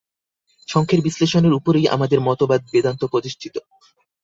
সাংখ্যের বিশ্লেষণের উপরেই আমাদের মতবাদ বেদান্ত প্রতিষ্ঠিত।